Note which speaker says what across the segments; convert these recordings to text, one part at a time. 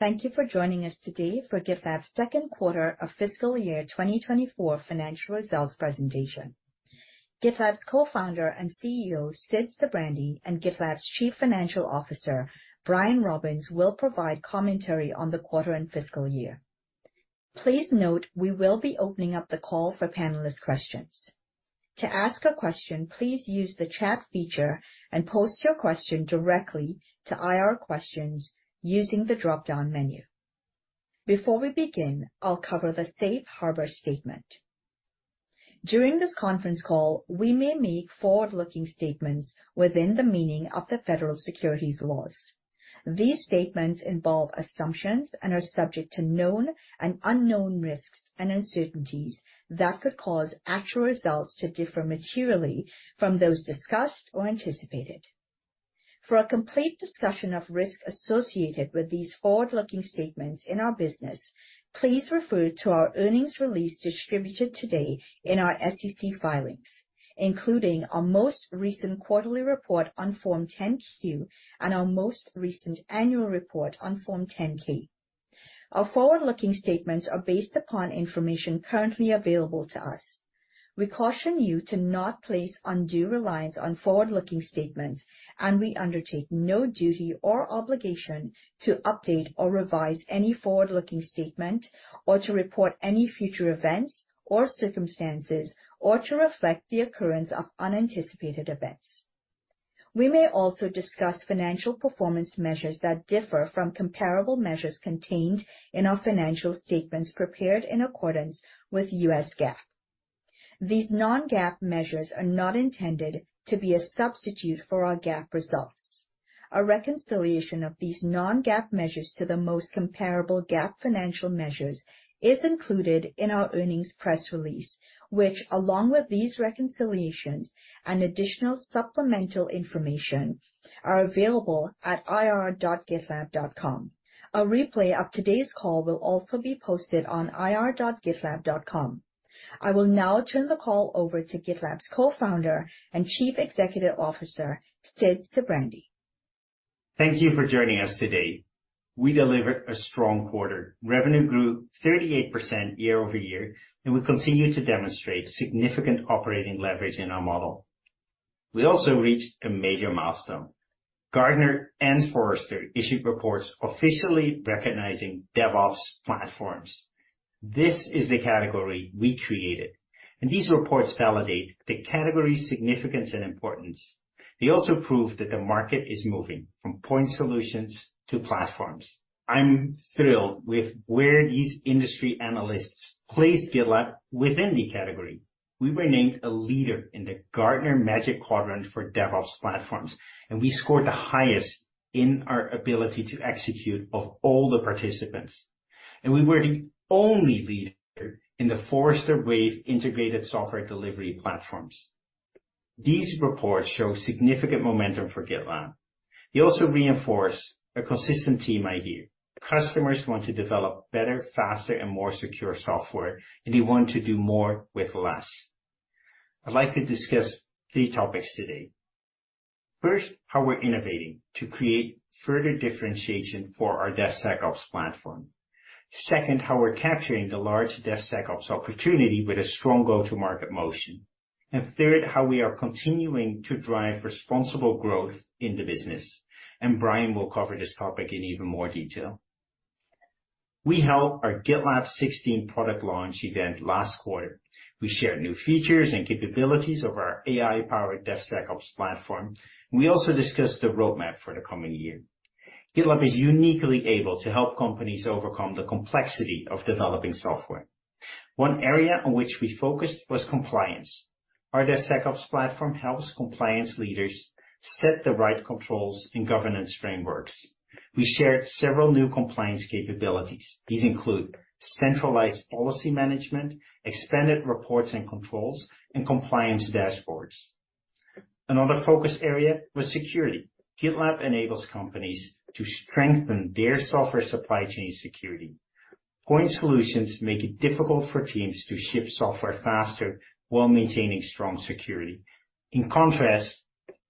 Speaker 1: Thank you for joining us today for GitLab's Second Quarter of Fiscal Year 2024 Financial Results Presentation. GitLab's Co-Founder and CEO, Sid Sijbrandij, and GitLab's Chief Financial Officer, Brian Robins, will provide commentary on the quarter and fiscal year. Please note, we will be opening up the call for panelist questions. To ask a question, please use the chat feature and post your question directly to IR Questions using the dropdown menu. Before we begin, I'll cover the safe harbor statement. During this conference call, we may make forward-looking statements within the meaning of the federal securities laws. These statements involve assumptions and are subject to known and unknown risks and uncertainties that could cause actual results to differ materially from those discussed or anticipated. For a complete discussion of risk associated with these forward-looking statements in our business, please refer to our earnings release distributed today in our SEC filings, including our most recent quarterly report on Form 10-Q and our most recent annual report on Form 10-K. Our forward-looking statements are based upon information currently available to us. We caution you to not place undue reliance on forward-looking statements, and we undertake no duty or obligation to update or revise any forward-looking statement or to report any future events or circumstances or to reflect the occurrence of unanticipated events. We may also discuss financial performance measures that differ from comparable measures contained in our financial statements prepared in accordance with U.S. GAAP. These non-GAAP measures are not intended to be a substitute for our GAAP results. A reconciliation of these non-GAAP measures to the most comparable GAAP financial measures is included in our earnings press release, which, along with these reconciliations and additional supplemental information, are available at ir.gitlab.com. A replay of today's call will also be posted on ir.gitlab.com. I will now turn the call over to GitLab's co-founder and Chief Executive Officer, Sid Sijbrandij.
Speaker 2: Thank you for joining us today. We delivered a strong quarter. Revenue grew 38% year-over-year, and we continue to demonstrate significant operating leverage in our model. We also reached a major milestone. Gartner and Forrester issued reports officially recognizing DevOps Platforms. This is the category we created, and these reports validate the category's significance and importance. They also prove that the market is moving from point solutions to platforms. I'm thrilled with where these industry analysts placed GitLab within the category. We were named a leader in the Gartner Magic Quadrant for DevOps Platforms, and we scored the highest in our ability to execute of all the participants. We were the only leader in the Forrester Wave Integrated Software Delivery Platforms. These reports show significant momentum for GitLab. They also reinforce a consistent team idea. Customers want to develop better, faster, and more secure software, and they want to do more with less. I'd like to discuss three topics today. First, how we're innovating to create further differentiation for our DevSecOps platform. Second, how we're capturing the large DevSecOps opportunity with a strong go-to-market motion. And third, how we are continuing to drive responsible growth in the business, and Brian will cover this topic in even more detail. We held our GitLab 16 product launch event last quarter. We shared new features and capabilities of our AI-powered DevSecOps platform. We also discussed the roadmap for the coming year. GitLab is uniquely able to help companies overcome the complexity of developing software. One area on which we focused was compliance. Our DevSecOps platform helps compliance leaders set the right controls and governance frameworks. We shared several new compliance capabilities. These include centralized policy management, expanded reports and controls, and compliance dashboards. Another focus area was security. GitLab enables companies to strengthen their software supply chain security. Point solutions make it difficult for teams to ship software faster while maintaining strong security. In contrast,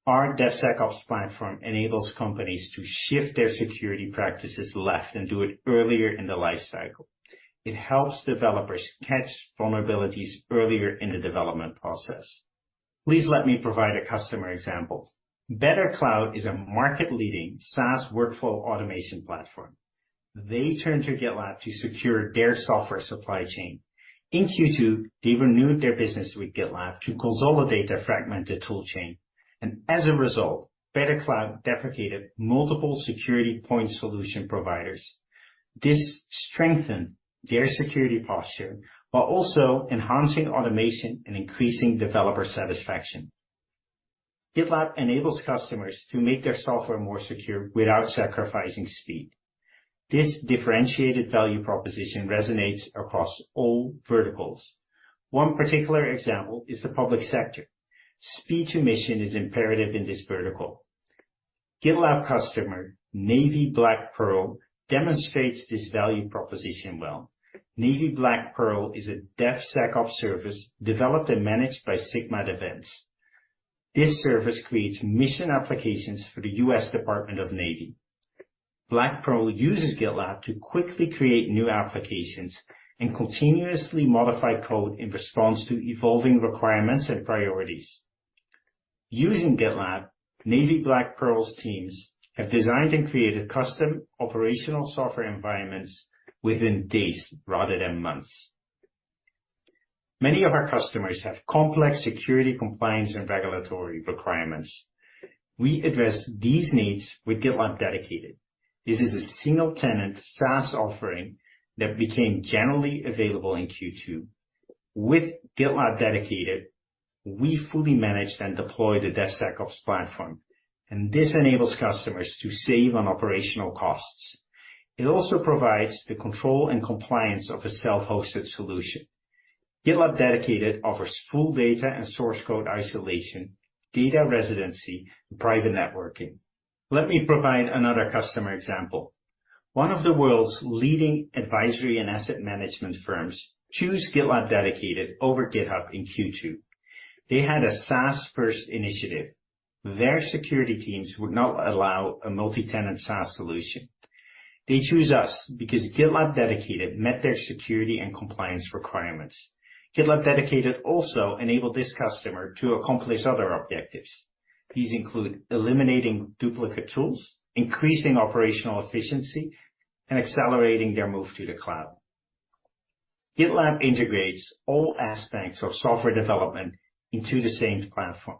Speaker 2: our DevSecOps platform enables companies to shift their security practices left and do it earlier in the life cycle. It helps developers catch vulnerabilities earlier in the development process. Please let me provide a customer example. BetterCloud is a market-leading SaaS workflow automation platform. They turned to GitLab to secure their software supply chain. In Q2, they renewed their business with GitLab to consolidate their fragmented tool chain, and as a result, BetterCloud deprecated multiple security point solution providers. This strengthened their security posture while also enhancing automation and increasing developer satisfaction. GitLab enables customers to make their software more secure without sacrificing speed. This differentiated value proposition resonates across all verticals. One particular example is the public sector. Speed to mission is imperative in this vertical. GitLab customer Black Pearl demonstrates this value proposition well. Black Pearl is a DevSecOps service developed and managed by Sigma Defense. This service creates mission applications for the U.S. Department of the Navy. Black Pearl uses GitLab to quickly create new applications and continuously modify code in response to evolving requirements and priorities. Using GitLab, Black Pearl's teams have designed and created custom operational software environments within days rather than months. Many of our customers have complex security compliance and regulatory requirements. We address these needs with GitLab Dedicated. This is a single-tenant SaaS offering that became generally available in Q2. With GitLab Dedicated, we fully managed and deployed the DevSecOps platform, and this enables customers to save on operational costs. It also provides the control and compliance of a self-hosted solution. GitLab Dedicated offers full data and source code isolation, data residency, and private networking. Let me provide another customer example. One of the world's leading advisory and asset management firms chose GitLab Dedicated over GitHub in Q2. They had a SaaS-first initiative. Their security teams would not allow a multi-tenant SaaS solution. They chose us because GitLab Dedicated met their security and compliance requirements. GitLab Dedicated also enabled this customer to accomplish other objectives. These include eliminating duplicate tools, increasing operational efficiency, and accelerating their move to the cloud. GitLab integrates all aspects of software development into the same platform.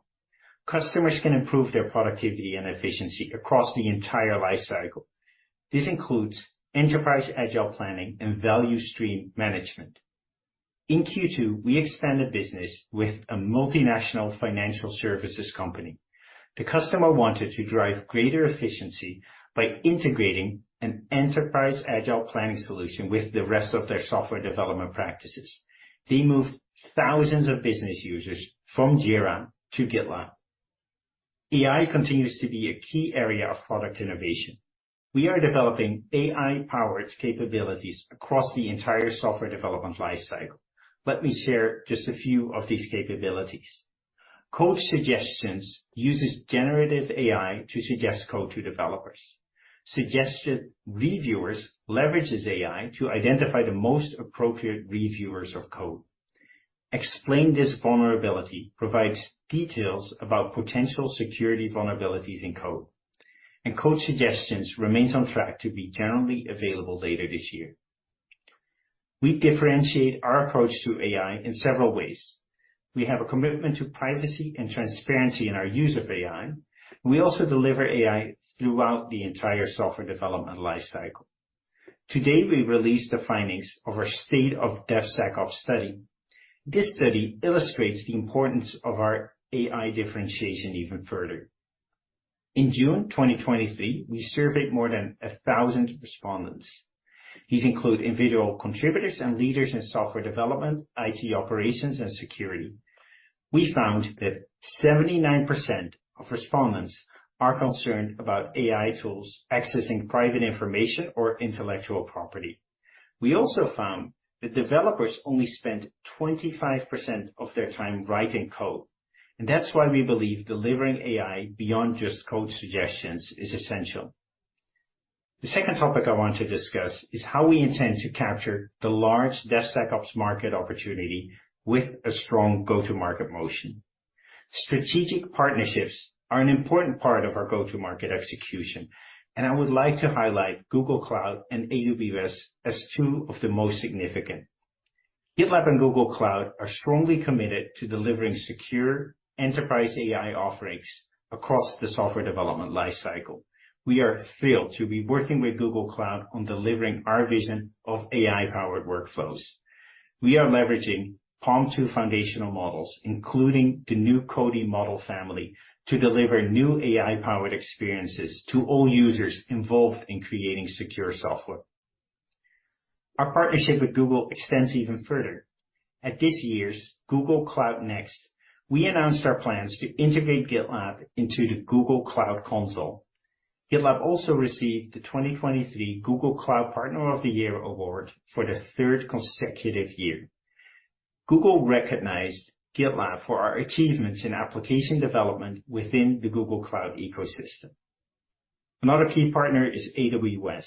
Speaker 2: Customers can improve their productivity and efficiency across the entire life cycle. This includes enterprise agile planning and value stream management. In Q2, we expanded business with a multinational financial services company. The customer wanted to drive greater efficiency by integrating an enterprise agile planning solution with the rest of their software development practices. They moved thousands of business users from Jira to GitLab. AI continues to be a key area of product innovation. We are developing AI-powered capabilities across the entire software development life cycle. Let me share just a few of these capabilities. Code Suggestions uses generative AI to suggest code to developers. Suggested Reviewers leverages AI to identify the most appropriate reviewers of code. Explain This Vulnerability provides details about potential security vulnerabilities in code, and Code Suggestions remains on track to be generally available later this year. We differentiate our approach to AI in several ways. We have a commitment to privacy and transparency in our use of AI. We also deliver AI throughout the entire software development life cycle. Today, we released the findings of our State of DevSecOps study. This study illustrates the importance of our AI differentiation even further. In June 2023, we surveyed more than 1,000 respondents. These include individual contributors and leaders in software development, IT operations, and security. We found that 79% of respondents are concerned about AI tools accessing private information or intellectual property. We also found that developers only spend 25% of their time writing code, and that's why we believe delivering AI beyond just Code Suggestions is essential. The second topic I want to discuss is how we intend to capture the large DevSecOps market opportunity with a strong go-to-market motion. Strategic partnerships are an important part of our go-to-market execution, and I would like to highlight Google Cloud and AWS as two of the most significant. GitLab and Google Cloud are strongly committed to delivering secure enterprise AI offerings across the software development life cycle. We are thrilled to be working with Google Cloud on delivering our vision of AI-powered workflows. We are leveraging PaLM 2 foundational models, including the new coding model family, to deliver new AI-powered experiences to all users involved in creating secure software. Our partnership with Google extends even further. At this year's Google Cloud Next, we announced our plans to integrate GitLab into the Google Cloud console. GitLab also received the 2023 Google Cloud Partner of the Year award for the third consecutive year. Google recognized GitLab for our achievements in application development within the Google Cloud ecosystem. Another key partner is AWS.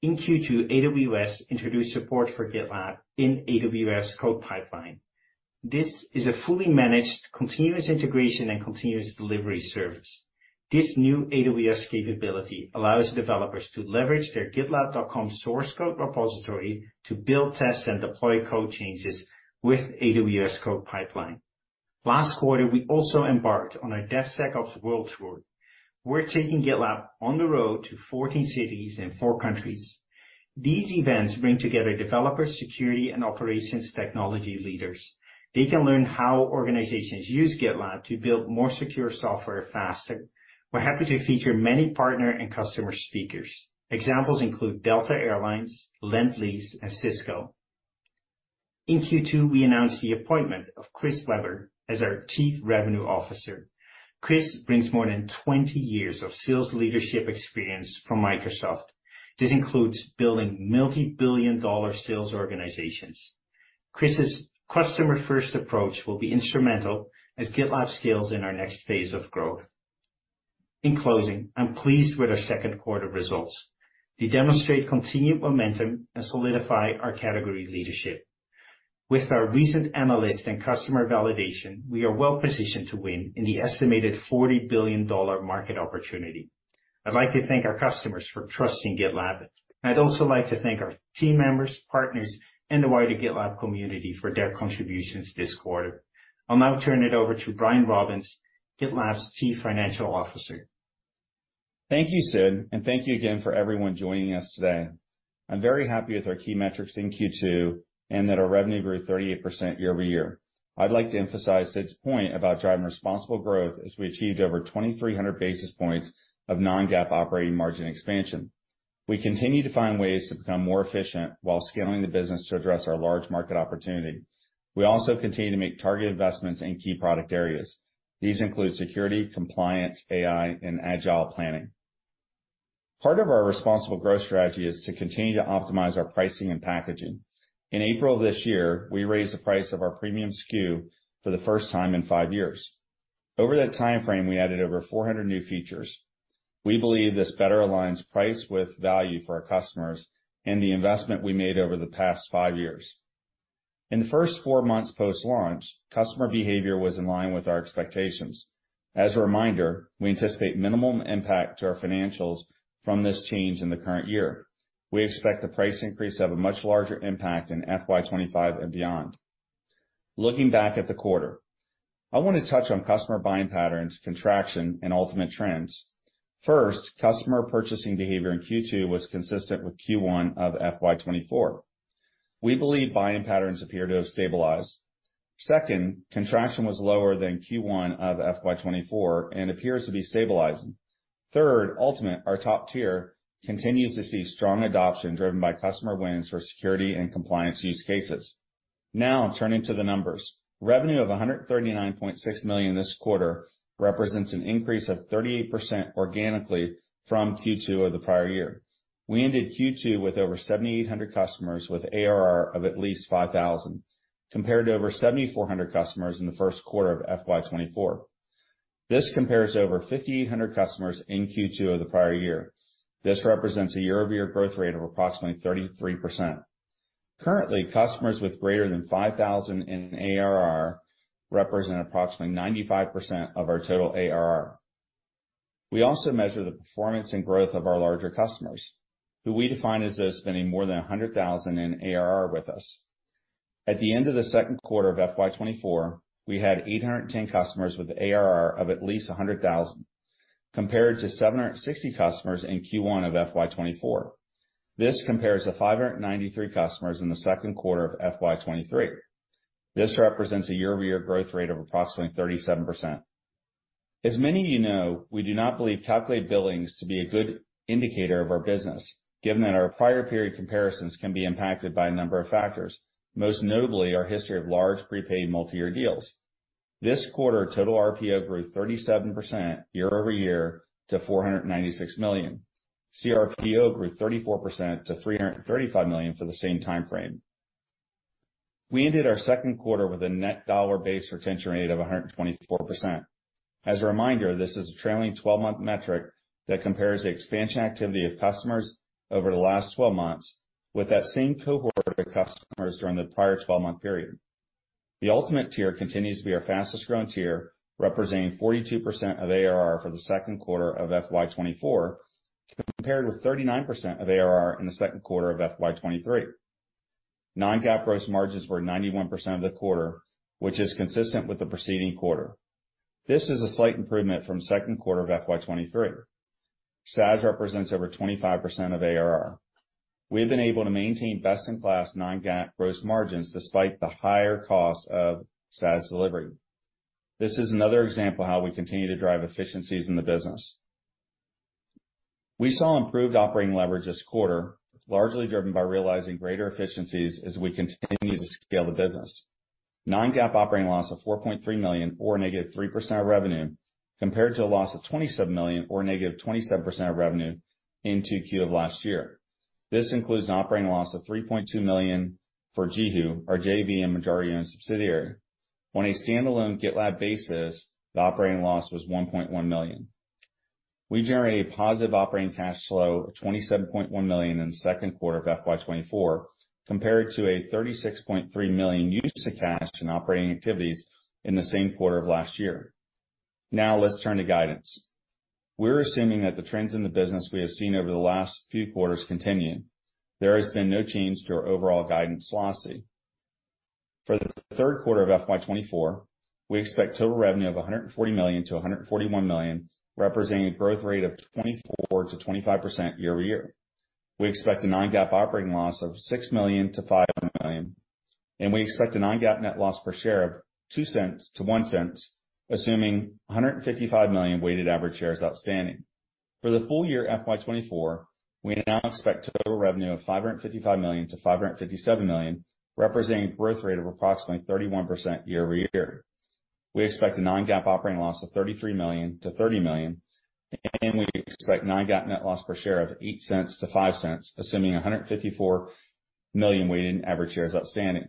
Speaker 2: In Q2, AWS introduced support for GitLab in AWS CodePipeline. This is a fully managed, continuous integration, and continuous delivery service. This new AWS capability allows developers to leverage their GitLab.com source code repository to build, test, and deploy code changes with AWS CodePipeline. Last quarter, we also embarked on a DevSecOps World Tour. We're taking GitLab on the road to 14 cities and four countries. These events bring together developers, security, and operations technology leaders. They can learn how organizations use GitLab to build more secure software faster. We're happy to feature many partner and customer speakers. Examples include Delta Air Lines, Lendlease, and Cisco. In Q2, we announced the appointment of Chris Weber as our Chief Revenue Officer. Chris brings more than 20 years of sales leadership experience from Microsoft. This includes building multi-billion-dollar sales organizations. Chris's customer-first approach will be instrumental as GitLab scales in our next phase of growth. In closing, I'm pleased with our second quarter results. They demonstrate continued momentum and solidify our category leadership. With our recent analyst and customer validation, we are well positioned to win in the estimated $40 billion market opportunity. I'd like to thank our customers for trusting GitLab, and I'd also like to thank our team members, partners, and the wider GitLab community for their contributions this quarter. I'll now turn it over to Brian Robins, GitLab's Chief Financial Officer.
Speaker 3: Thank you, Sid, and thank you again for everyone joining us today. I'm very happy with our key metrics in Q2, and that our revenue grew 38% year-over-year. I'd like to emphasize Sid's point about driving responsible growth as we achieved over 2,300 basis points of non-GAAP operating margin expansion. We continue to find ways to become more efficient while scaling the business to address our large market opportunity. We also continue to make targeted investments in key product areas. These include security, compliance, AI, and agile planning. Part of our responsible growth strategy is to continue to optimize our pricing and packaging. In April this year, we raised the price of our Premium SKU for the first time in five years. Over that timeframe, we added over 400 new features. We believe this better aligns price with value for our customers and the investment we made over the past five years. In the first four months post-launch, customer behavior was in line with our expectations. As a reminder, we anticipate minimal impact to our financials from this change in the current year. We expect the price increase to have a much larger impact in FY 2025 and beyond. Looking back at the quarter, I want to touch on customer buying patterns, contraction, and Ultimate trends. First, customer purchasing behavior in Q2 was consistent with Q1 of FY 2024. We believe buying patterns appear to have stabilized. Second, contraction was lower than Q1 of FY 2024 and appears to be stabilizing. Third, Ultimate, our top tier, continues to see strong adoption, driven by customer wins for security and compliance use cases. Now, turning to the numbers. Revenue of $139.6 million this quarter represents an increase of 38% organically from Q2 of the prior year. We ended Q2 with over 7,800 customers, with ARR of at least $5,000, compared to over 7,400 customers in the first quarter of FY 2024. This compares to over 5,800 customers in Q2 of the prior year. This represents a year-over-year growth rate of approximately 33%. Currently, customers with greater than $5,000 in ARR represent approximately 95% of our total ARR. We also measure the performance and growth of our larger customers, who we define as those spending more than $100,000 in ARR with us. At the end of the second quarter of FY 2024, we had 810 customers with ARR of at least $100,000, compared to 760 customers in Q1 of FY 2024. This compares to 593 customers in the second quarter of FY 2023. This represents a year-over-year growth rate of approximately 37%. As many of you know, we do not believe calculated billings to be a good indicator of our business, given that our prior period comparisons can be impacted by a number of factors, most notably our history of large prepaid multi-year deals. This quarter, total RPO grew 37% year-over-year to $496 million. CRPO grew 34% to $335 million for the same time frame. We ended our second quarter with a net dollar-based retention rate of 124%. As a reminder, this is a trailing twelve-month metric that compares the expansion activity of customers over the last twelve months with that same cohort of customers during the prior twelve-month period. The Ultimate tier continues to be our fastest-growing tier, representing 42% of ARR for the second quarter of FY 2024, compared with 39% of ARR in the second quarter of FY 2023. Non-GAAP gross margins were 91% for the quarter, which is consistent with the preceding quarter. This is a slight improvement from second quarter of FY 2023. SaaS represents over 25% of ARR. We have been able to maintain best-in-class non-GAAP gross margins, despite the higher costs of SaaS delivery. This is another example of how we continue to drive efficiencies in the business. We saw improved operating leverage this quarter, largely driven by realizing greater efficiencies as we continue to scale the business. Non-GAAP operating loss of $4.3 million or -3% of revenue, compared to a loss of $27 million, or -27% of revenue in Q2 of last year. This includes an operating loss of $3.2 million for JiHu, our JV and majority-owned subsidiary. On a standalone GitLab basis, the operating loss was $1.1 million. We generated a positive operating cash flow of $27.1 million in the second quarter of FY 2024, compared to a $36.3 million use of cash in operating activities in the same quarter of last year. Now, let's turn to guidance. We're assuming that the trends in the business we have seen over the last few quarters continue. There has been no change to our overall guidance policy. For the third quarter of FY 2024, we expect total revenue of $140 million-$141 million, representing a growth rate of 24%-25% year-over-year. We expect a non-GAAP operating loss of $6 million-$5 million, and we expect a non-GAAP net loss per share of $0.02-$0.01, assuming 155 million weighted average shares outstanding. For the full year, FY 2024, we now expect total revenue of $555 million-$557 million, representing growth rate of approximately 31% year-over-year. We expect a non-GAAP operating loss of $33 million-$30 million, and we expect non-GAAP net loss per share of $0.08-$0.05, assuming 154 million weighted average shares outstanding.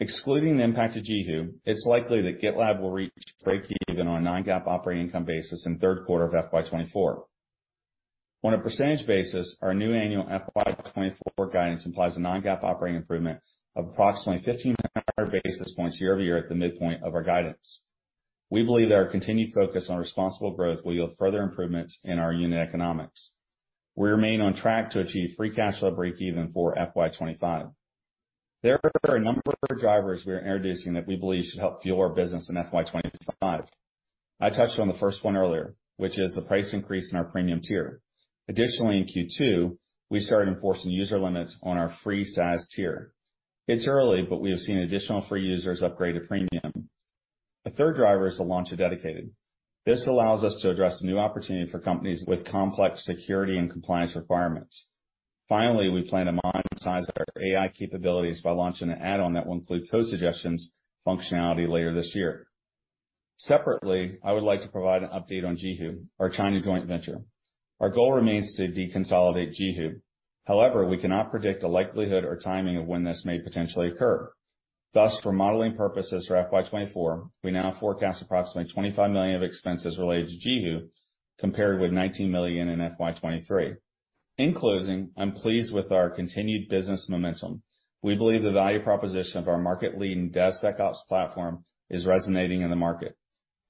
Speaker 3: Excluding the impact of JiHu, it's likely that GitLab will reach breakeven on a non-GAAP operating income basis in third quarter of FY 2024. On a percentage basis, our new annual FY 2024 guidance implies a non-GAAP operating improvement of approximately 1,500 basis points year-over-year at the midpoint of our guidance. We believe that our continued focus on responsible growth will yield further improvements in our unit economics. We remain on track to achieve free cash flow breakeven for FY 2025. There are a number of drivers we are introducing that we believe should help fuel our business in FY 2025. I touched on the first one earlier, which is the price increase in our Premium tier. Additionally, in Q2, we started enforcing user limits on our Free SaaS tier. It's early, but we have seen additional free users upgrade to Premium. The third driver is the launch of Dedicated. This allows us to address new opportunity for companies with complex security and compliance requirements. Finally, we plan to monetize our AI capabilities by launching an add-on that will include Code Suggestions functionality later this year. Separately, I would like to provide an update on JiHu, our China joint venture. Our goal remains to deconsolidate JiHu. However, we cannot predict the likelihood or timing of when this may potentially occur. Thus, for modeling purposes for FY 2024, we now forecast approximately $25 million of expenses related to JiHu, compared with $19 million in FY 2023. In closing, I'm pleased with our continued business momentum. We believe the value proposition of our market-leading DevSecOps platform is resonating in the market.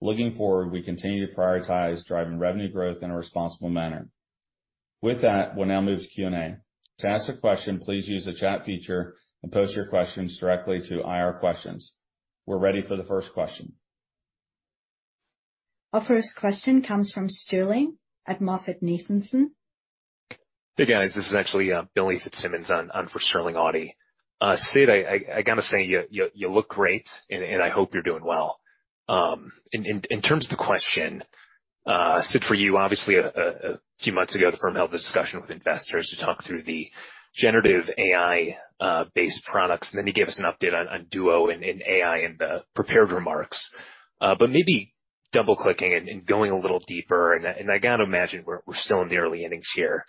Speaker 3: Looking forward, we continue to prioritize driving revenue growth in a responsible manner. With that, we'll now move to Q&A. To ask a question, please use the chat feature and post your questions directly to IR Questions. We're ready for the first question.
Speaker 1: Our first question comes from Sterling at MoffettNathanson.
Speaker 4: Hey, guys, this is actually Billy Fitzsimmons on for Sterling Auty. Sid, I gotta say, you look great, and I hope you're doing well. In terms of the question, Sid, for you, obviously, a few months ago, the firm held a discussion with investors to talk through the generative AI based products, and then you gave us an update on Duo and AI in the prepared remarks. But maybe double-clicking and going a little deeper, and I gotta imagine we're still in the early innings here.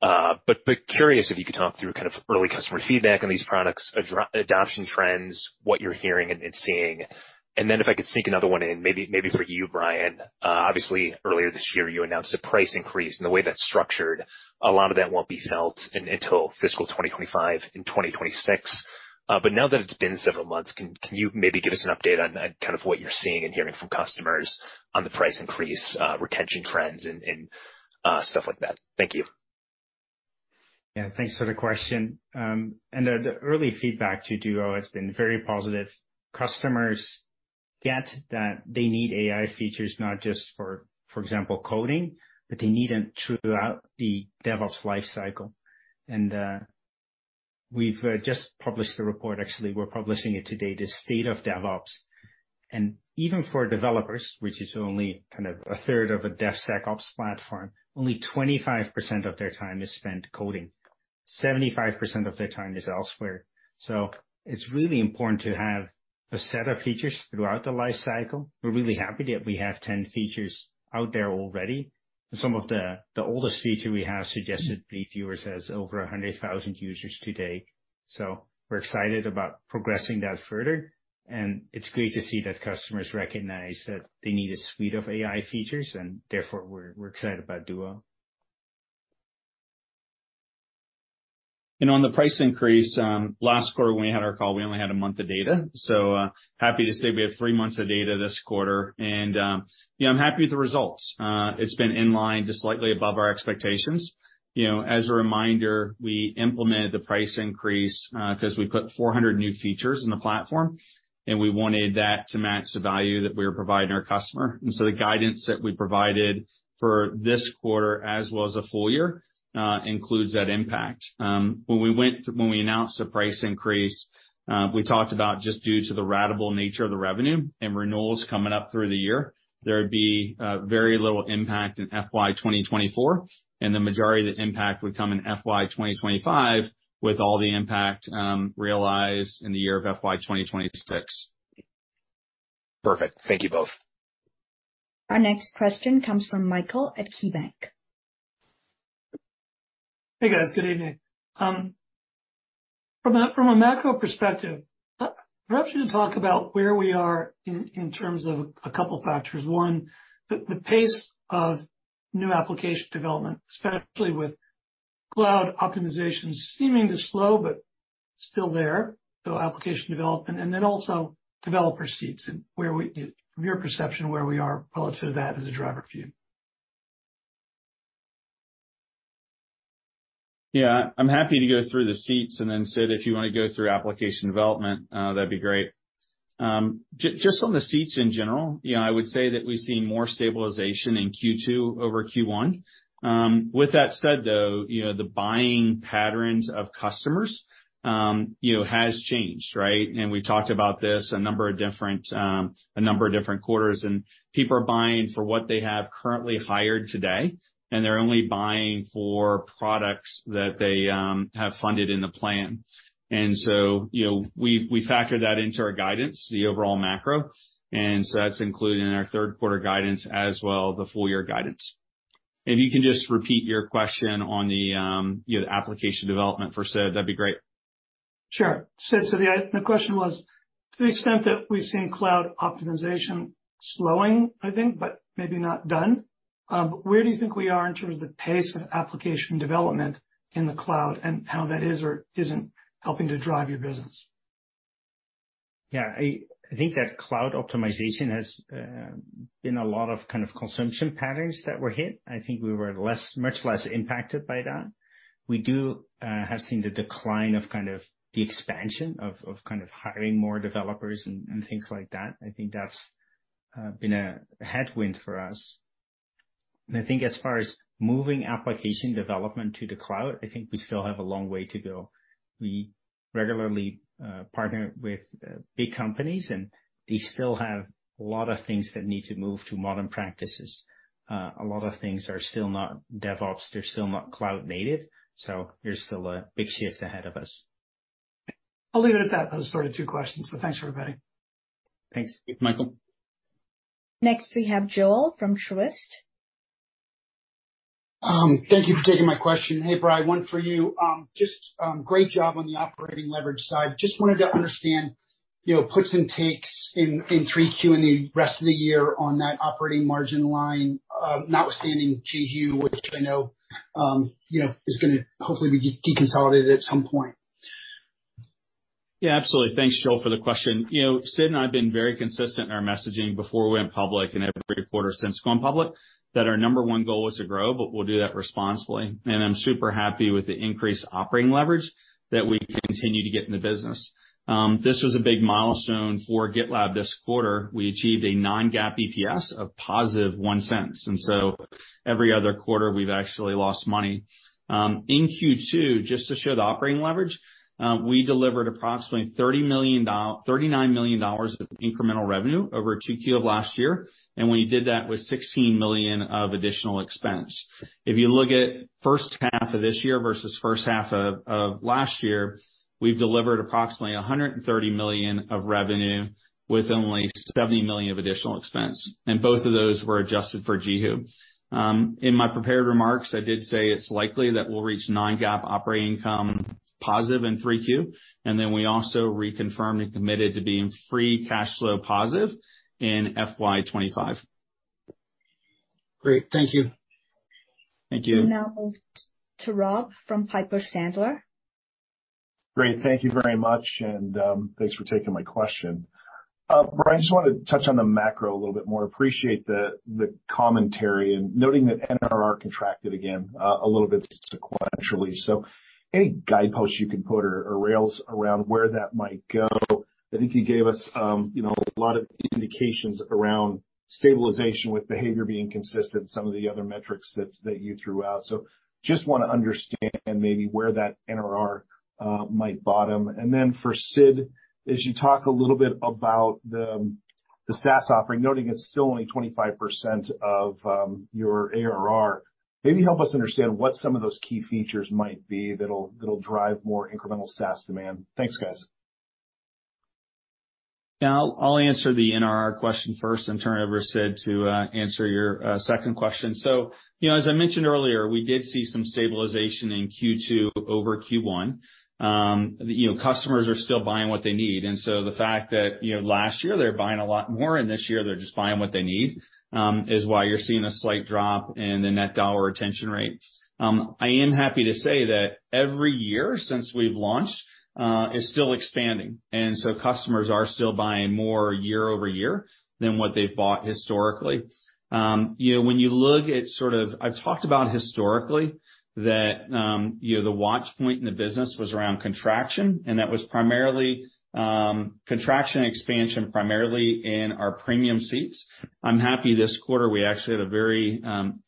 Speaker 4: But curious if you could talk through kind of early customer feedback on these products, adoption trends, what you're hearing and seeing. And then if I could sneak another one in, maybe for you, Brian. Obviously, earlier this year, you announced a price increase, and the way that's structured, a lot of that won't be felt until fiscal 2025 and 2026. But now that it's been several months, can you maybe give us an update on kind of what you're seeing and hearing from customers on the price increase, retention trends, and stuff like that? Thank you.
Speaker 2: Yeah, thanks for the question. And the early feedback to Duo has been very positive. Customers get that they need AI features, not just for, for example, coding, but they need them throughout the DevOps life cycle. And we've just published a report, actually, we're publishing it today, The State of DevOps. And even for developers, which is only kind of a third of a DevSecOps platform, only 25% of their time is spent coding. 75% of their time is elsewhere. So it's really important to have a set of features throughout the life cycle. We're really happy that we have 10 features out there already, and some of the oldest feature we have, Suggested Reviewers, has over 100,000 users today. So we're excited about progressing that further, and it's great to see that customers recognize that they need a suite of AI features, and therefore we're excited about Duo.
Speaker 3: And on the price increase, last quarter, when we had our call, we only had a month of data, so, happy to say we have three months of data this quarter, and, yeah, I'm happy with the results. It's been in line, just slightly above our expectations. You know, as a reminder, we implemented the price increase, 'cause we put 400 new features in the platform, and we wanted that to match the value that we were providing our customer. And so the guidance that we provided for this quarter, as well as the full year, includes that impact. When we announced the price increase, we talked about just due to the ratable nature of the revenue and renewals coming up through the year, there would be very little impact in FY 2024, and the majority of the impact would come in FY 2025, with all the impact realized in the year of FY 2026.
Speaker 4: Perfect. Thank you both.
Speaker 1: Our next question comes from Michael at KeyBanc.
Speaker 5: Hey, guys. Good evening. From a macro perspective, perhaps you can talk about where we are in terms of a couple factors. One, the pace of new application development, especially with cloud optimization, seeming to slow, but still there, so application development, and then also developer seats, and where we are, from your perception, relative to that as a driver for you.
Speaker 3: Yeah, I'm happy to go through the seats, and then, Sid, if you want to go through application development, that'd be great. Just on the seats in general, you know, I would say that we've seen more stabilization in Q2 over Q1. With that said, though, you know, the buying patterns of customers, you know, has changed, right? And we've talked about this a number of different, a number of different quarters, and people are buying for what they have currently hired today, and they're only buying for products that they have funded in the plan. And so, you know, we factor that into our guidance, the overall macro, and so that's included in our third quarter guidance as well, the full year guidance. If you can just repeat your question on the, you know, the application development for Sid, that'd be great.
Speaker 5: Sure. So, the question was, to the extent that we've seen cloud optimization slowing, I think, but maybe not done, where do you think we are in terms of the pace of application development in the cloud and how that is or isn't helping to drive your business?
Speaker 2: Yeah. I, I think that cloud optimization has been a lot of kind of consumption patterns that were hit. I think we were less, much less impacted by that. We do have seen the decline of kind of the expansion of kind of hiring more developers and things like that. I think that's been a headwind for us. And I think as far as moving application development to the cloud, I think we still have a long way to go. We regularly partner with big companies, and they still have a lot of things that need to move to modern practices. A lot of things are still not DevOps, they're still not cloud native, so there's still a big shift ahead of us.
Speaker 5: I'll leave it at that. That was sort of two questions, so thanks, everybody.
Speaker 2: Thanks.
Speaker 3: Michael?
Speaker 1: Next, we have Joel from Truist.
Speaker 6: Thank you for taking my question. Hey, Brian, one for you. Just, great job on the operating leverage side. Just wanted to understand, you know, puts and takes in, in 3Q and the rest of the year on that operating margin line, notwithstanding JiHu, which I know, you know, is gonna hopefully be de-consolidated at some point.
Speaker 3: Yeah, absolutely. Thanks, Joel, for the question. You know, Sid and I have been very consistent in our messaging before we went public and every quarter since going public, that our number one goal was to grow, but we'll do that responsibly. And I'm super happy with the increased operating leverage that we continue to get in the business. This was a big milestone for GitLab this quarter. We achieved a non-GAAP EPS of $0.01, and so every other quarter, we've actually lost money. In Q2, just to show the operating leverage, we delivered approximately $39 million of incremental revenue over 2Q of last year, and we did that with $16 million of additional expense. If you look at first half of this year versus first half of last year, we've delivered approximately $130 million of revenue with only $70 million of additional expense, and both of those were adjusted for JiHu. In my prepared remarks, I did say it's likely that we'll reach non-GAAP operating income positive in 3Q, and then we also reconfirmed and committed to being free cash flow positive in FY 2025.
Speaker 6: Great. Thank you.
Speaker 3: Thank you.
Speaker 1: We now move to Rob from Piper Sandler.
Speaker 7: Great. Thank you very much, and thanks for taking my question. Brian, I just wanted to touch on the macro a little bit more. Appreciate the commentary and noting that NRR contracted again a little bit sequentially. So any guideposts you can put or rails around where that might go? I think you gave us, you know, a lot of indications around stabilization with behavior being consistent, some of the other metrics that you threw out. So just want to understand maybe where that NRR might bottom. And then for Sid, as you talk a little bit about the SaaS offering, noting it's still only 25% of your ARR, maybe help us understand what some of those key features might be that'll drive more incremental SaaS demand. Thanks, guys.
Speaker 3: Yeah. I'll answer the NDR question first and turn it over to Sid to answer your second question. So, you know, as I mentioned earlier, we did see some stabilization in Q2 over Q1. You know, customers are still buying what they need, and so the fact that, you know, last year, they were buying a lot more, and this year, they're just buying what they need, is why you're seeing a slight drop in the net dollar retention rate. I am happy to say that every year since we've launched, it's still expanding, and so customers are still buying more year-over-year than what they've bought historically. You know, when you look at sort of... I've talked about historically that, you know, the watch point in the business was around contraction, and that was primarily contraction expansion, primarily in our Premium seats. I'm happy this quarter, we actually had a very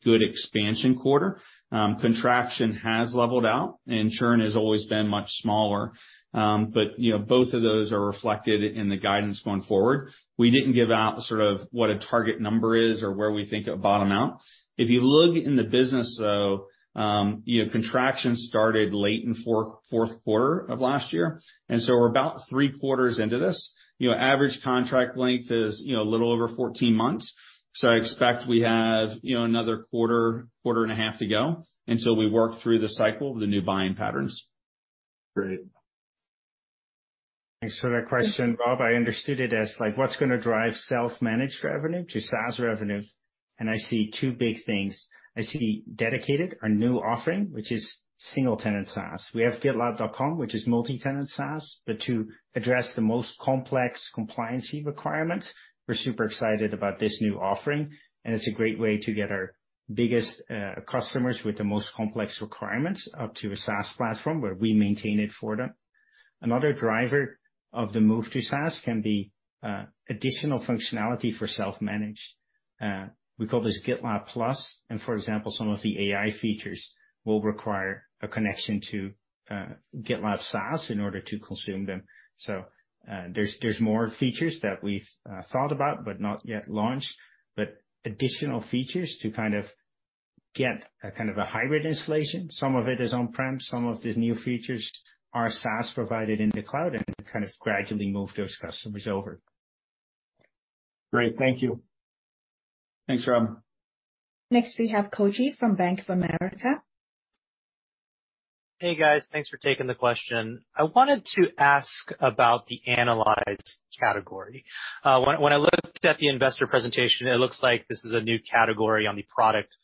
Speaker 3: good expansion quarter. Contraction has leveled out, and churn has always been much smaller. But, you know, both of those are reflected in the guidance going forward. We didn't give out sort of what a target number is or where we think it will bottom out. If you look in the business, though, you know, contraction started late in the fourth quarter of last year, and so we're about three quarters into this. You know, average contract length is, you know, a little over 14 months, so I expect we have, you know, another quarter, quarter and a half to go until we work through the cycle, the new buying patterns.
Speaker 7: Great.
Speaker 2: Thanks for that question, Rob. I understood it as, like, what's going to drive self-managed revenue to SaaS revenue, and I see two big things. I see Dedicated, our new offering, which is single-tenant SaaS. We have GitLab.com, which is multi-tenant SaaS, but to address the most complex compliance requirements, we're super excited about this new offering, and it's a great way to get our biggest customers with the most complex requirements up to a SaaS platform, where we maintain it for them. Another driver of the move to SaaS can be additional functionality for self-managed. We call this GitLab Plus, and for example, some of the AI features will require a connection to GitLab SaaS in order to consume them. So, there's more features that we've thought about but not yet launched, but additional features to kind of get a kind of a hybrid installation. Some of it is on-prem, some of the new features are SaaS provided in the cloud, and kind of gradually move those customers over.
Speaker 7: Great. Thank you.
Speaker 3: Thanks, Rob.
Speaker 1: Next, we have Koji from Bank of America.
Speaker 8: Hey, guys. Thanks for taking the question. I wanted to ask about the Analyze category. When I looked at the investor presentation, it looks like this is a new category on the product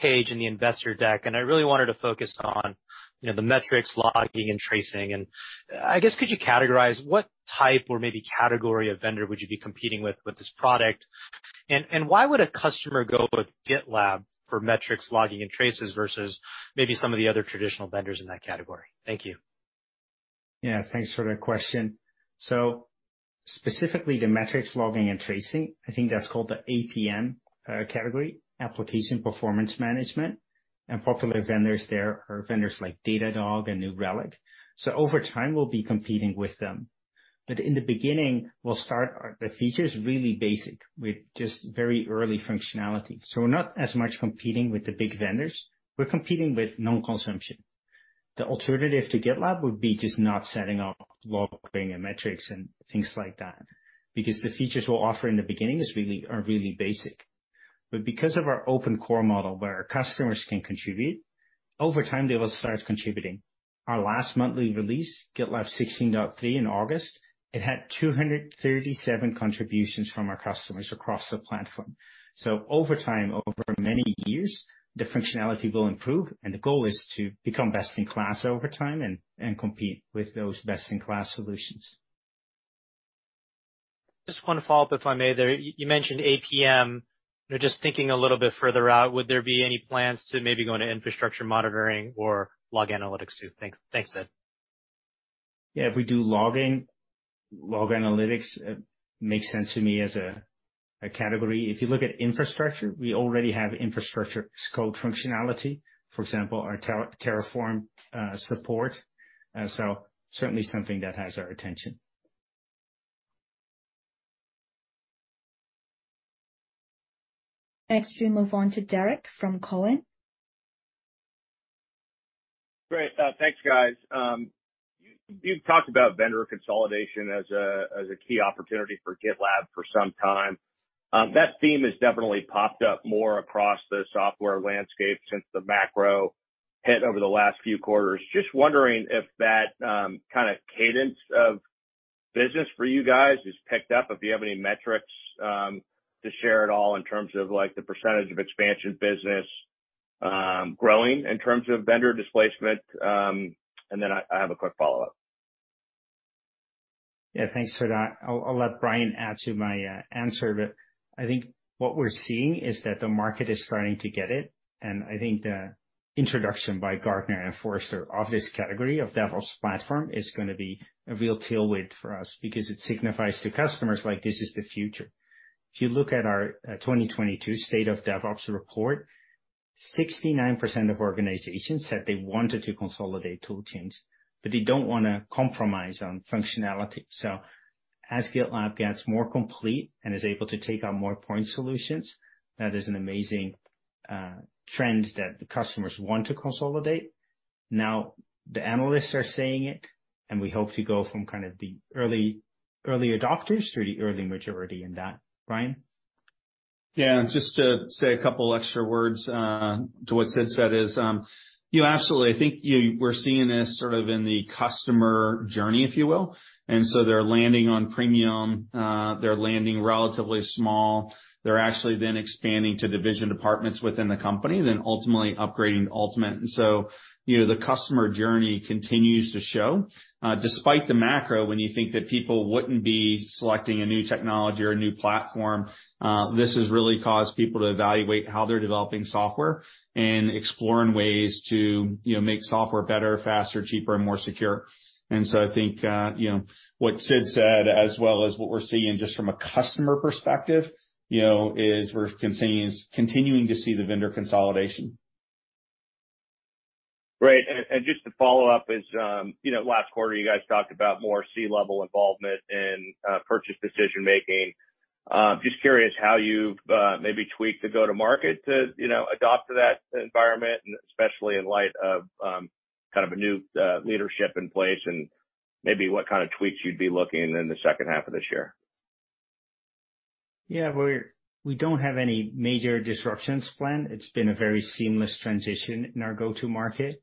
Speaker 8: page in the investor deck, and I really wanted to focus on, you know, the metrics, logging, and tracing. I guess, could you categorize what type or maybe category of vendor would you be competing with this product? Why would a customer go with GitLab for metrics, logging, and traces versus maybe some of the other traditional vendors in that category? Thank you.
Speaker 2: Yeah, thanks for that question. So specifically, the metrics, logging, and tracing, I think that's called the APM category, Application Performance Management. And popular vendors there are vendors like Datadog and New Relic. So over time, we'll be competing with them. But in the beginning, we'll start our the features really basic, with just very early functionality. So we're not as much competing with the big vendors, we're competing with non-consumption. The alternative to GitLab would be just not setting up logging and metrics and things like that, because the features we'll offer in the beginning are really basic. But because of our open core model, where our customers can contribute, over time, they will start contributing. Our last monthly release, GitLab 16.3 in August, it had 237 contributions from our customers across the platform. So over time, over many years, the functionality will improve, and the goal is to become best in class over time and compete with those best in class solutions.
Speaker 8: Just one follow-up, if I may there. You mentioned APM. You know, just thinking a little bit further out, would there be any plans to maybe go into infrastructure monitoring or log analytics, too? Thanks. Thanks, Sid.
Speaker 2: Yeah, if we do logging, log analytics, makes sense to me as a, a category. If you look at infrastructure, we already have infrastructure code functionality. For example, our Terraform support. So certainly something that has our attention. Next, we move on to Derrick from Cowen.
Speaker 9: Great. Thanks, guys. You've talked about vendor consolidation as a key opportunity for GitLab for some time. That theme has definitely popped up more across the software landscape since the macro hit over the last few quarters. Just wondering if that kind of cadence of business for you guys has picked up, if you have any metrics to share at all in terms of, like, the percentage of expansion business growing in terms of vendor displacement, and then I have a quick follow-up.
Speaker 2: Yeah, thanks for that. I'll let Brian add to my answer, but I think what we're seeing is that the market is starting to get it, and I think the introduction by Gartner and Forrester of this category of DevOps platform is gonna be a real tailwind for us because it signifies to customers, like, this is the future. If you look at our 2022 State of DevOps report, 69% of organizations said they wanted to consolidate toolchains, but they don't wanna compromise on functionality. So as GitLab gets more complete and is able to take on more point solutions, that is an amazing trend that the customers want to consolidate. Now, the analysts are saying it, and we hope to go from kind of the early adopters to the early majority in that. Brian?
Speaker 3: Yeah, just to say a couple extra words to what Sid said is, you know, absolutely, I think we're seeing this sort of in the customer journey, if you will. And so they're landing on Premium, they're landing relatively small. They're actually then expanding to division departments within the company, then Ultimately upgrading to Ultimate. And so, you know, the customer journey continues to show. Despite the macro, when you think that people wouldn't be selecting a new technology or a new platform, this has really caused people to evaluate how they're developing software and exploring ways to, you know, make software better, faster, cheaper, and more secure. And so I think, you know, what Sid said, as well as what we're seeing just from a customer perspective, you know, is we're continuing to see the vendor consolidation.
Speaker 9: Great. And just to follow up, you know, last quarter, you guys talked about more C-level involvement in purchase decision making. Just curious how you've maybe tweaked the go-to-market to, you know, adopt to that environment, and especially in light of kind of a new leadership in place, and maybe what kind of tweaks you'd be looking in the second half of this year.
Speaker 2: Yeah, we're, we don't have any major disruptions planned. It's been a very seamless transition in our go-to market,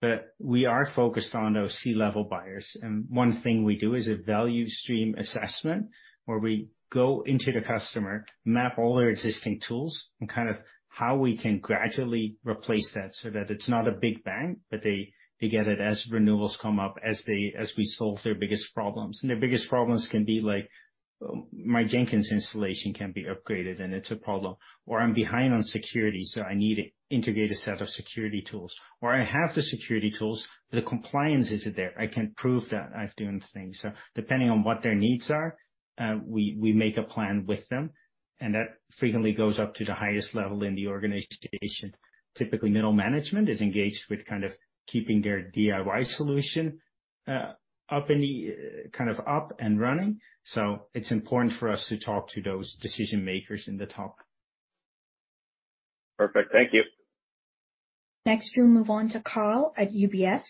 Speaker 2: but we are focused on those C-level buyers. And one thing we do is a value stream assessment, where we go into the customer, map all their existing tools, and kind of how we can gradually replace that, so that it's not a big bang, but they, they get it as renewals come up, as they- as we solve their biggest problems. And their biggest problems can be like my Jenkins installation can be upgraded and it's a problem, or I'm behind on security, so I need an integrated set of security tools. Or I have the security tools, but the compliance isn't there. I can prove that I've done things. So depending on what their needs are, we, we make a plan with them, and that frequently goes up to the highest level in the organization. Typically, middle management is engaged with kind of keeping their DIY solution up in the, kind of, up and running. So it's important for us to talk to those decision-makers in the top.
Speaker 9: Perfect. Thank you.
Speaker 1: Next, we'll move on to Karl at UBS.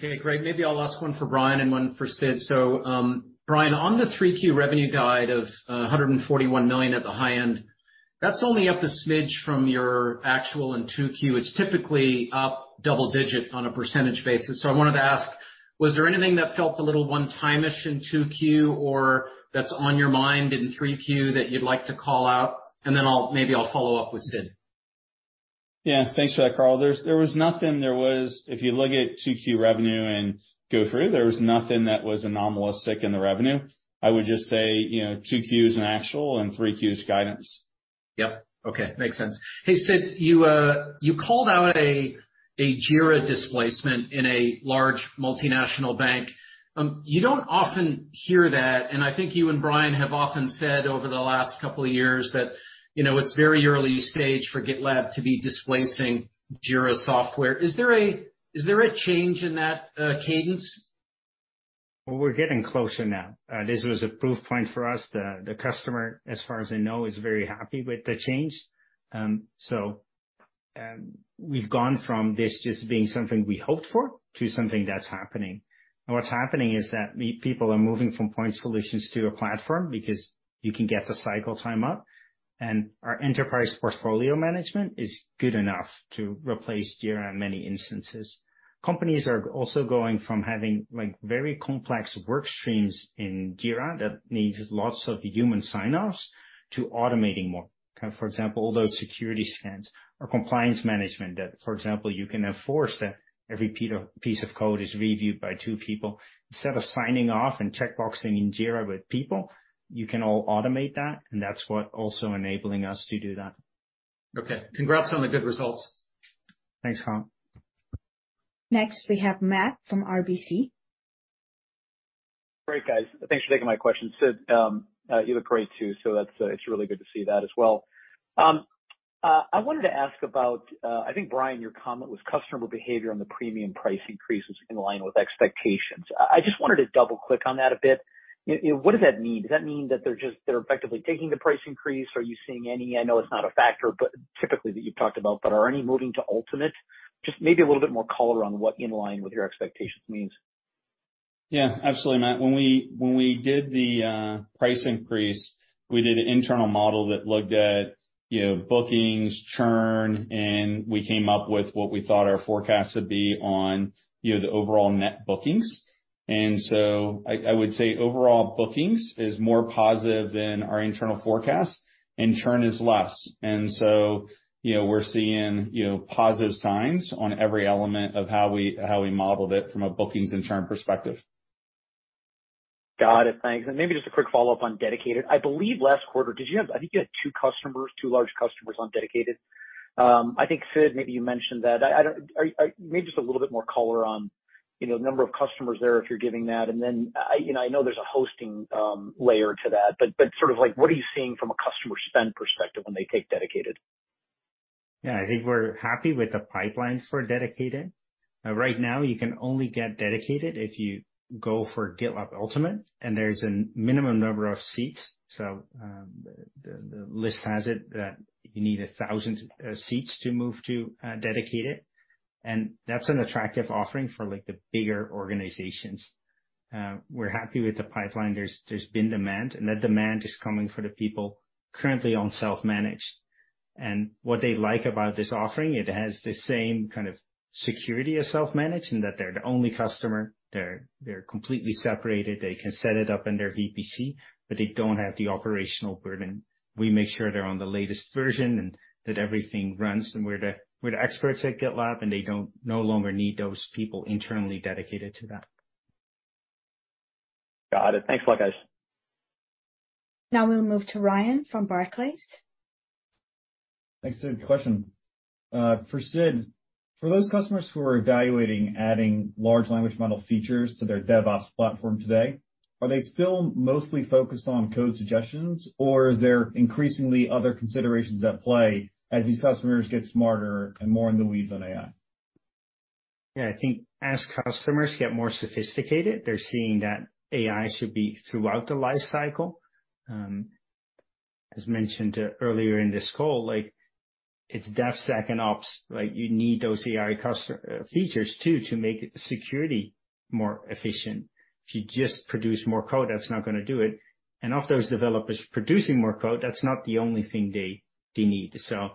Speaker 10: Okay, great. Maybe I'll ask one for Brian and one for Sid. So, Brian, on the 3Q revenue guide of $141 million at the high end, that's only up a smidge from your actual in 2Q. It's typically up double-digit on a percentage basis. So I wanted to ask, was there anything that felt a little one-timeish in 2Q or that's on your mind in 3Q that you'd like to call out? And then I'll, maybe I'll follow up with Sid.
Speaker 3: Yeah, thanks for that, Karl. There was nothing there was—if you look at 2Q revenue and go through, there was nothing that was anomalous in the revenue. I would just say, you know, 2Q is actual and 3Q is guidance.
Speaker 10: Yep. Okay. Makes sense. Hey, Sid, you called out a Jira displacement in a large multinational bank. You don't often hear that, and I think you and Brian have often said over the last couple of years that, you know, it's very early stage for GitLab to be displacing Jira software. Is there a change in that cadence?
Speaker 2: Well, we're getting closer now. This was a proof point for us. The customer, as far as I know, is very happy with the change. So, we've gone from this just being something we hoped for to something that's happening. And what's happening is that people are moving from point solutions to a platform because you can get the cycle time up, and our enterprise portfolio management is good enough to replace Jira in many instances. Companies are also going from having, like, very complex work streams in Jira that needs lots of human sign-offs to automating more. Kind of, for example, all those security scans or compliance management that, for example, you can enforce that every piece of code is reviewed by two people. Instead of signing off and checkboxing in Jira with people, you can all automate that, and that's what also enabling us to do that.
Speaker 10: Okay. Congrats on the good results.
Speaker 2: Thanks, Karl. Next, we have Matt from RBC.
Speaker 11: Great, guys. Thanks for taking my question. Sid, you look great, too, so that's, it's really good to see that as well. I wanted to ask about, I think, Brian, your comment was customer behavior on the Premium price increases in line with expectations. I just wanted to double-click on that a bit. You, you know, what does that mean? Does that mean that they're just, they're effectively taking the price increase? Are you seeing any... I know it's not a factor, but typically that you've talked about, but are any moving to Ultimate? Just maybe a little bit more color on what in line with your expectations means.
Speaker 3: Yeah, absolutely, Matt. When we, when we did the price increase, we did an internal model that looked at, you know, bookings, churn, and we came up with what we thought our forecast would be on, you know, the overall net bookings. And so I, I would say overall bookings is more positive than our internal forecast, and churn is less. And so, you know, we're seeing, you know, positive signs on every element of how we, how we modeled it from a bookings and churn perspective.
Speaker 11: Got it. Thanks. And maybe just a quick follow-up on Dedicated. I believe last quarter, did you have, I think you had two customers, two large customers on Dedicated. I think, Sid, maybe you mentioned that. Maybe just a little bit more color on, you know, the number of customers there, if you're giving that. And then, you know, I know there's a hosting layer to that, but sort of like, what are you seeing from a customer spend perspective when they take Dedicated?
Speaker 2: Yeah, I think we're happy with the pipelines for Dedicated. Right now, you can only get Dedicated if you go for GitLab Ultimate, and there's a minimum number of seats. So, the list has it that you need 1,000 seats to move to Dedicated, and that's an attractive offering for, like, the bigger organizations. We're happy with the pipeline. There's been demand, and that demand is coming for the people currently on self-managed. And what they like about this offering, it has the same kind of security as self-managed and that they're the only customer, they're completely separated. They can set it up in their VPC, but they don't have the operational burden. We make sure they're on the latest version and that everything runs, and we're the experts at GitLab, and they don't no longer need those people internally dedicated to that.
Speaker 11: Got it. Thanks a lot, guys.
Speaker 1: Now we'll move to Ryan from Barclays.
Speaker 12: Thanks, Sid. Question for Sid. For those customers who are evaluating adding large language model features to their DevOps platform today, are they still mostly focused on Code Suggestions, or is there increasingly other considerations at play as these customers get smarter and more in the weeds on AI?
Speaker 2: Yeah, I think as customers get more sophisticated, they're seeing that AI should be throughout the life cycle. As mentioned earlier in this call, like, it's DevSec and Ops. Like, you need those AI customer features too, to make security more efficient. If you just produce more code, that's not gonna do it. And of those developers producing more code, that's not the only thing they, they need. So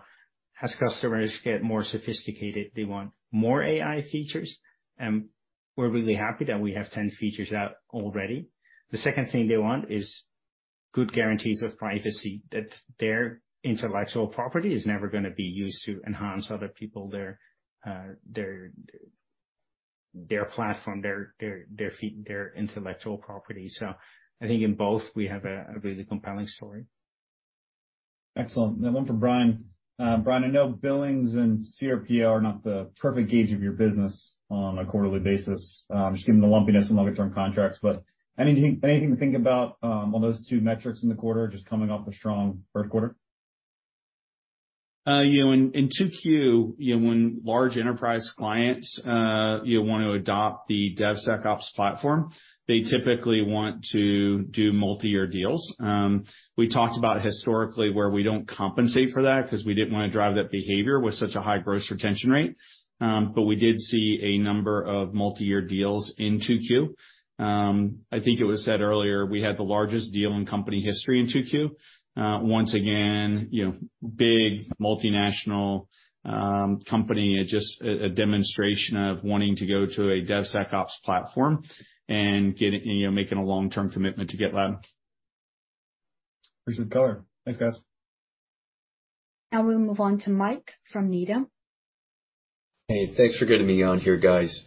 Speaker 2: as customers get more sophisticated, they want more AI features, and we're really happy that we have 10 features out already. The second thing they want is good guarantees of privacy, that their intellectual property is never gonna be used to enhance other people, their platform, their intellectual property. So I think in both, we have a really compelling story.
Speaker 12: Excellent. Now one for Brian. Brian, I know billings and CRPO are not the perfect gauge of your business on a quarterly basis, just given the lumpiness and long-term contracts, but anything, anything to think about, on those two metrics in the quarter, just coming off a strong third quarter?
Speaker 3: You know, in 2Q, you know, when large enterprise clients, you know, want to adopt the DevSecOps platform, they typically want to do multi-year deals. We talked about historically where we don't compensate for that, 'cause we didn't wanna drive that behavior with such a high gross retention rate. But we did see a number of multi-year deals in 2Q. I think it was said earlier, we had the largest deal in company history in 2Q. Once again, you know, big multinational company. Just a demonstration of wanting to go to a DevSecOps platform and getting, you know, making a long-term commitment to GitLab.
Speaker 12: Excellent, got it. Thanks, guys.
Speaker 1: Now we'll move on to Mike from Needham.
Speaker 13: Hey, thanks for getting me on here, guys.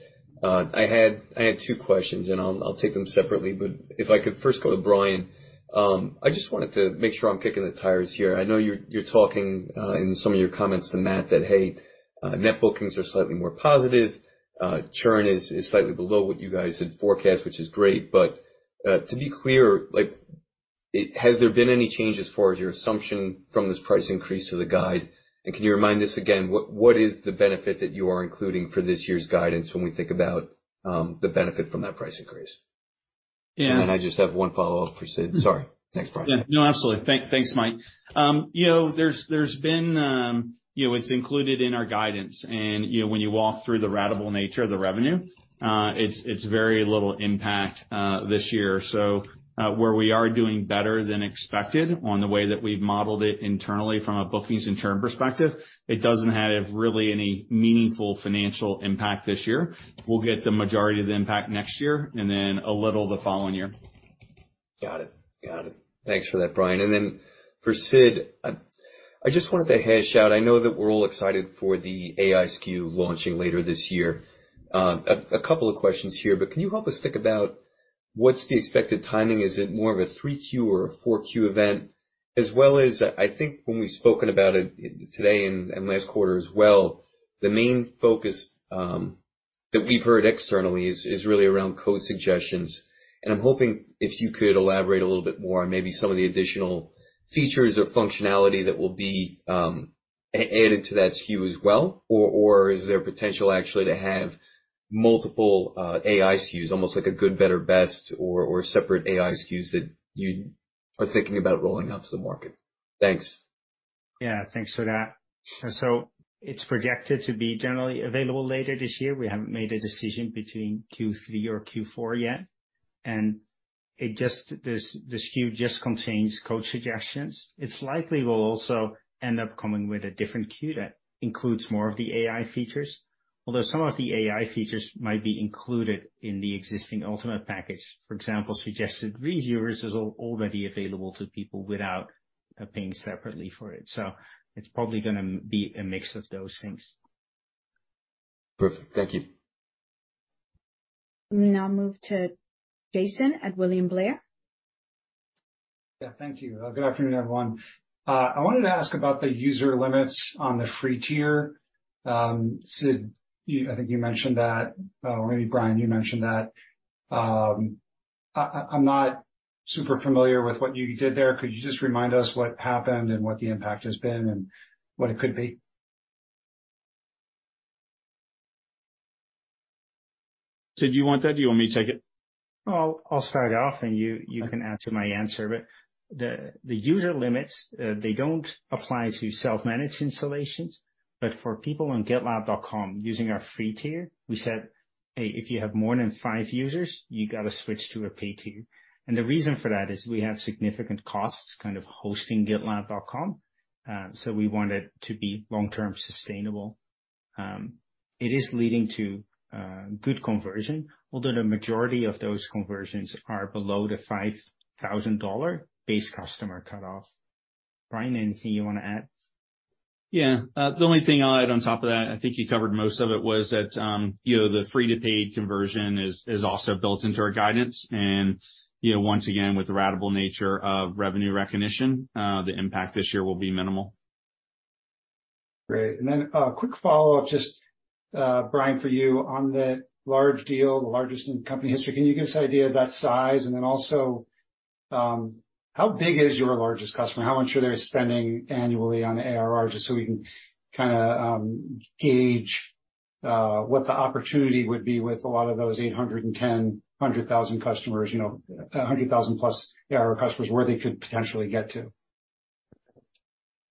Speaker 13: I had two questions, and I'll take them separately, but if I could first go to Brian. I just wanted to make sure I'm kicking the tires here. I know you're talking in some of your comments to Matt that, hey, net bookings are slightly more positive, churn is slightly below what you guys had forecast, which is great. But to be clear, like, has there been any changes as far as your assumption from this price increase to the guide? And can you remind us again, what is the benefit that you are including for this year's guidance when we think about the benefit from that price increase?
Speaker 3: Yeah.
Speaker 13: I just have one follow-up for Sid. Sorry. Thanks, Brian.
Speaker 3: Yeah, no, absolutely. Thanks, Mike. You know, there's been, you know, it's included in our guidance, and, you know, when you walk through the ratable nature of the revenue, it's very little impact this year. So, where we are doing better than expected on the way that we've modeled it internally from a bookings and churn perspective, it doesn't have really any meaningful financial impact this year. We'll get the majority of the impact next year, and then a little the following year.
Speaker 13: Got it. Got it. Thanks for that, Brian. And then for Sid, I just wanted to hash out. I know that we're all excited for the AI SKU launching later this year. A couple of questions here, but can you help us think about what's the expected timing? Is it more of a 3Q or a 4Q event? As well as, I think when we've spoken about it today and last quarter as well, the main focus that we've heard externally is really around Code Suggestions. I'm hoping if you could elaborate a little bit more on maybe some of the additional features or functionality that will be added to that SKU as well, or, or is there potential actually to have multiple, AI SKUs, almost like a good, better, best or, or separate AI SKUs that you are thinking about rolling out to the market? Thanks.
Speaker 2: Yeah, thanks for that. So it's projected to be generally available later this year. We haven't made a decision between Q3 or Q4 yet, and this SKU just contains Code Suggestions. It's likely we'll also end up coming with a different SKU that includes more of the AI features, although some of the AI features might be included in the existing Ultimate package. For example, Suggested Reviewers is already available to people without paying separately for it, so it's probably gonna be a mix of those things.
Speaker 13: Perfect. Thank you.
Speaker 1: We now move to Jason at William Blair.
Speaker 14: Yeah, thank you. Good afternoon, everyone. I wanted to ask about the user limits on the Free tier. Sid, you, I think you mentioned that, or maybe Brian, you mentioned that. I'm not super familiar with what you did there. Could you just remind us what happened and what the impact has been and what it could be?
Speaker 3: Sid, do you want that, or do you want me to take it?
Speaker 2: I'll start off, and you can add to my answer. But the user limits, they don't apply to self-managed installations, but for people on GitLab.com, using our Free tier, we said, "Hey, if you have more than five users, you've got to switch to a paid tier." And the reason for that is we have significant costs kind of hosting GitLab.com, so we want it to be long-term sustainable. It is leading to good conversion, although the majority of those conversions are below the $5,000 base customer cutoff. Brian, anything you want to add?
Speaker 3: Yeah. The only thing I'll add on top of that, I think you covered most of it, was that, you know, the free-to-paid conversion is, is also built into our guidance. You know, once again, with the ratable nature of revenue recognition, the impact this year will be minimal.
Speaker 14: Great. And then, a quick follow-up, just, Brian, for you on the large deal, the largest in company history. Can you give us an idea of that size? And then also, how big is your largest customer? How much are they spending annually on ARR, just so we can kinda, gauge, what the opportunity would be with a lot of those 810,000 customers, you know, 100,000+ ARR customers, where they could potentially get to?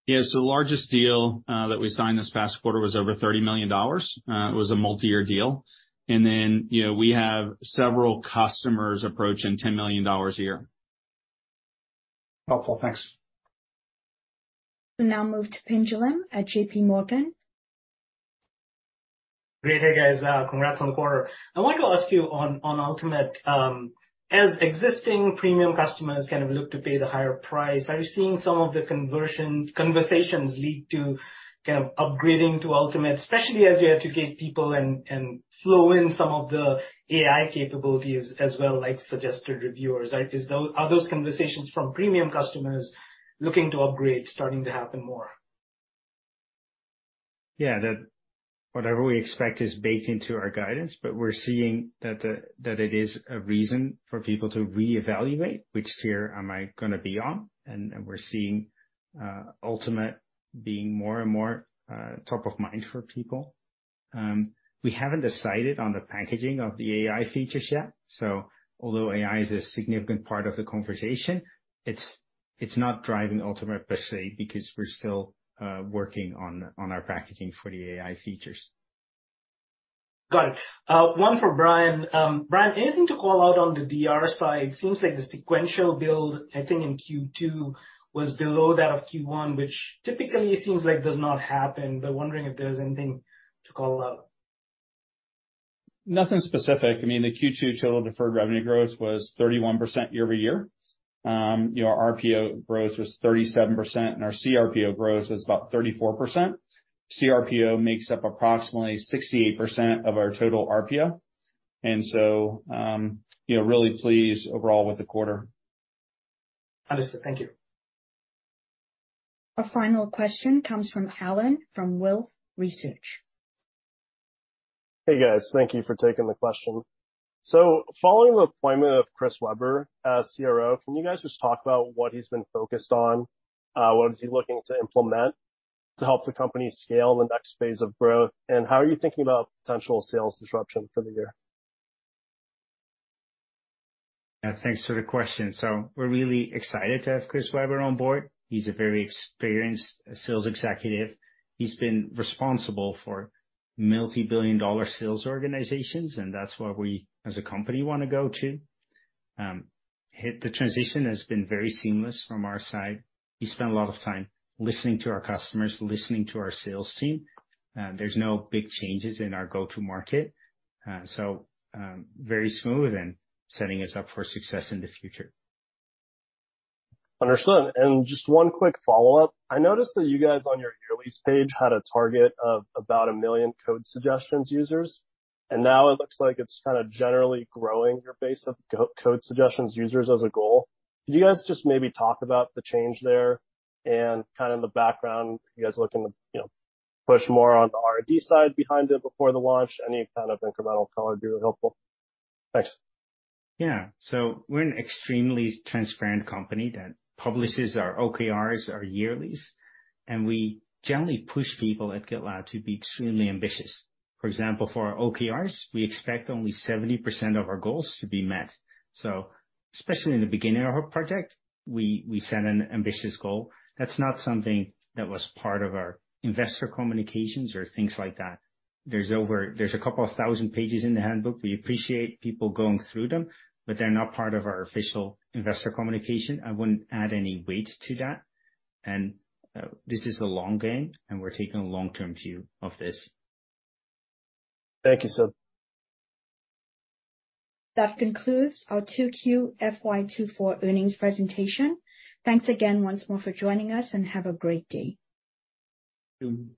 Speaker 3: Yeah. So the largest deal that we signed this past quarter was over $30 million. It was a multi-year deal, and then, you know, we have several customers approaching $10 million a year.
Speaker 14: Helpful. Thanks.
Speaker 1: We now move to Pinjalim at J.P. Morgan.
Speaker 15: .Great. Hey, guys, congrats on the quarter. I wanted to ask you on Ultimate, as existing Premium customers kind of look to pay the higher price, are you seeing some of the conversion conversations lead to kind of upgrading to Ultimate? Especially as you educate people and flow in some of the AI capabilities as well, like Suggested Reviewers. Are those conversations from Premium customers looking to upgrade, starting to happen more?
Speaker 2: Yeah. That whatever we expect is baked into our guidance, but we're seeing that, that it is a reason for people to reevaluate which tier am I gonna be on, and, and we're seeing, Ultimate being more and more, top of mind for people. We haven't decided on the packaging of the AI features yet, so although AI is a significant part of the conversation, it's, it's not driving Ultimate per se, because we're still, working on, our packaging for the AI features.
Speaker 15: Got it. One for Brian. Brian, anything to call out on the DR side? It seems like the sequential build, I think, in Q2 was below that of Q1, which typically seems like does not happen. But wondering if there's anything to call out?
Speaker 3: Nothing specific. I mean, the Q2 total deferred revenue growth was 31% year-over-year. Your RPO growth was 37%, and our CRPO growth was about 34%. CRPO makes up approximately 68% of our total RPO. And so, you know, really pleased overall with the quarter.
Speaker 15: Understood. Thank you.
Speaker 1: Our final question comes from Allan, from Wolfe Research.
Speaker 16: Hey, guys. Thank you for taking the question. Following the appointment of Chris Weber as CRO, can you guys just talk about what he's been focused on? What is he looking to implement to help the company scale in the next phase of growth? And how are you thinking about potential sales disruption for the year?
Speaker 2: Yeah, thanks for the question. So we're really excited to have Chris Weber on board. He's a very experienced sales executive. He's been responsible for multi-billion-dollar sales organizations, and that's where we, as a company, want to go to. The transition has been very seamless from our side. He spent a lot of time listening to our customers, listening to our sales team. There's no big changes in our go-to-market. Very smooth and setting us up for success in the future.
Speaker 16: Understood. And just one quick follow-up. I noticed that you guys, on your yearly page, had a target of about one million Code Suggestions users, and now it looks like it's kind of generally growing your base of Code Suggestions users as a goal. Could you guys just maybe talk about the change there and kind of the background? You guys looking to, you know, push more on the R&D side behind it before the launch? Any kind of incremental color would be really helpful. Thanks.
Speaker 2: Yeah. So we're an extremely transparent company that publishes our OKRs, our Yearlies, and we generally push people at GitLab to be extremely ambitious. For example, for our OKRs, we expect only 70% of our goals to be met. So especially in the beginning of a project, we set an ambitious goal. That's not something that was part of our investor communications or things like that. There's a couple of thousand pages in the handbook. We appreciate people going through them, but they're not part of our official investor communication. I wouldn't add any weight to that. And this is a long game, and we're taking a long-term view of this.
Speaker 16: Thank you, sir.
Speaker 1: That concludes our Q2 FY 2024 Earnings Presentation. Thanks again once more for joining us, and have a great day.
Speaker 2: Thank you.